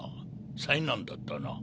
災難だったな。